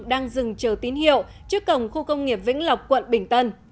đang dừng chờ tín hiệu trước cổng khu công nghiệp vĩnh lộc quận bình tân